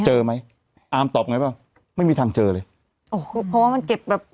เจอไหมอาร์มตอบไงเปล่าไม่มีทางเจอเลยโอ้โหเพราะว่ามันเก็บแบบตรงนั้น